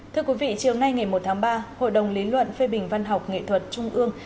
thưa quý vị chiều nay ngày một tháng ba hội đồng lý luận phê bình văn học nghệ thuật trung ương